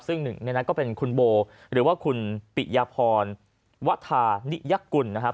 ซึ่งหนึ่งในนั้นก็เป็นคุณโบหรือว่าคุณปิยพรวัฒนิยกุลนะครับ